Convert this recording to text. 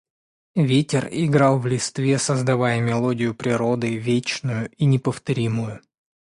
Ветер играл в листве, создавая мелодию природы, вечную и неповторимую.